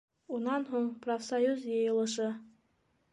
Унан һуң профсоюз йыйылышы.